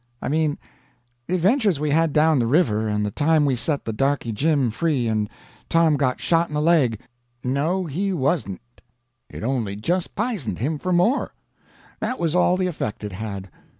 I mean the adventures we had down the river, and the time we set the darky Jim free and Tom got shot in the leg. No, he wasn't. It only just p'isoned him for more. That was all the effect it had.